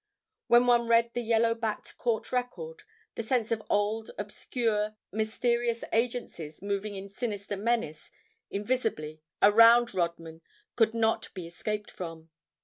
When one read the yellow backed court record, the sense of old, obscure, mysterious agencies moving in sinister menace, invisibly, around Rodman could not be escaped from.